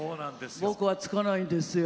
僕はつかないんですよ